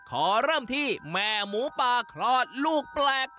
ขอเริ่มที่แม่หมูป่าคลอดลูกแปลก